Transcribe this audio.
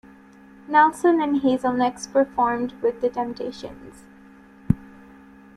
Nelson and Hazel next performed with The Temptations.